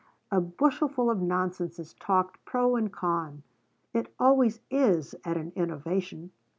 A bushelful of nonsense is talked pro and con: it always is at an innovation.